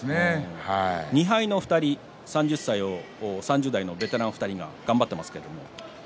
２敗の２人、３０代のベテラン２人が頑張っています。